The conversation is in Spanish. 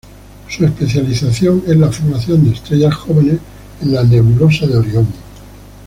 Su especialización es la formación de estrellas jóvenes en la nebulosa de Orión.